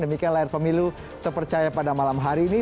demikian layar pemilu terpercaya pada malam hari ini